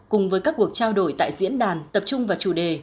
cùng với các cuộc trao đổi tại diễn đàn tập trung vào chủ đề